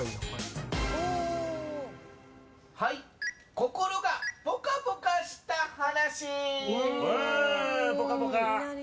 心がぽかぽかした話。